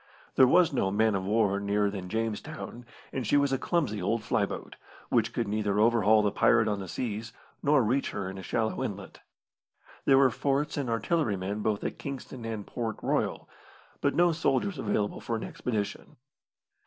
There was no man of war nearer than Jamestown, and she was a clumsy old fly boat, which could neither overhaul the pirate on the seas, nor reach her in a shallow inlet. There were forts and artillerymen both at Kingston and Port Royal, but no soldiers available for an expedition.